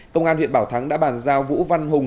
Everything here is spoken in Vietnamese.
công an huyện bảo thắng đã bàn giao vũ văn hùng